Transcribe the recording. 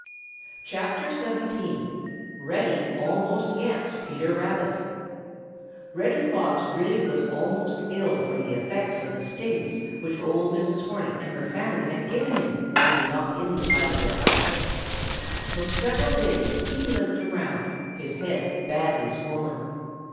XVII. REDDY ALMOST GETS PETER RABBIT |REDDY FOX really was almost ill from the effects of the stings which old Mrs. Hornet and her family had given him when he knocked in the side of their house. For several days he limped around, his head badly swollen.